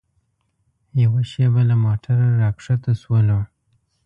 یوه شېبه له موټره راښکته شولو.